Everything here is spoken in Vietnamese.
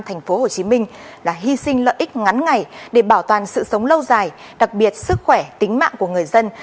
thành phố hồ chí minh là hy sinh lợi ích ngắn ngày để bảo toàn sự sống lâu dài đặc biệt sức khỏe tính mạng của người dân